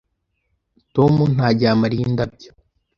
Tom ntagiha Mariya indabyo.